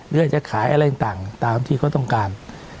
เรื่องจะขายอะไรต่างตามที่เขาต้องการ